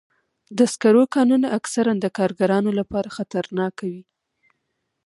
د سکرو کانونه اکثراً د کارګرانو لپاره خطرناک وي.